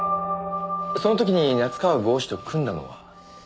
その時に夏河郷士と組んだのは？